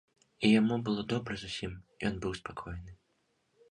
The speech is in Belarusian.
І яму было добра зусім, ён быў спакойны.